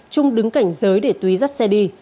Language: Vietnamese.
trung đứng cảnh giới để túy dắt xe đi